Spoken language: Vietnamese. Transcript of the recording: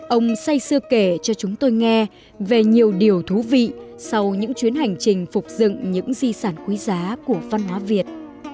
ông say sư kể cho chúng tôi nghe về nhiều điều thú vị sau những chuyến hành trình phục dựng những di sản quý giá của văn hóa việt